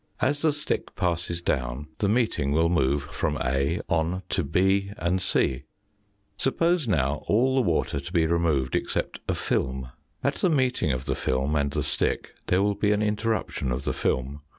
As the stick passes down, the meeting will move from A on to B and c. Suppose now all the water to be removed except a film. At the meet ing of the film and the stick there will be an interruption of the film.